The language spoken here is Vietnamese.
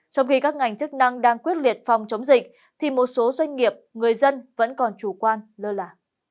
trong khi các ngành chức năng đang quyết liệt phòng chống dịch thì một số doanh nghiệp người dân vẫn còn chủ quan lơ là